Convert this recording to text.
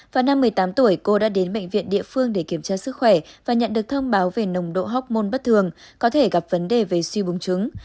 vào năm một mươi tám tuổi cô đã đến bệnh viện địa phương để kiểm tra sức khỏe và nhận được thông báo về nồng độ hoc mon bất thường có thể gặp vấn đề về suy búng trứng